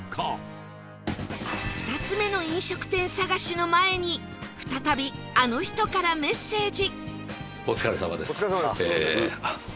２つ目の飲食店探しの前に再びあの人からメッセージ